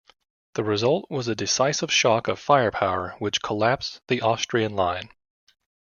The result was a decisive shock of firepower which collapsed the Austrian line.